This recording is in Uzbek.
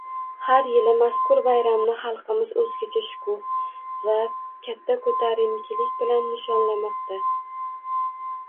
Har yili mazkur bayramni xalqimiz o‘zgacha shukuh va katta ko‘tarinkilik bilan nishonlamoqda